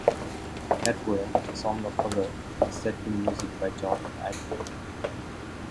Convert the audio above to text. Her poem "The Song of Hagar" was set to music by John Antill.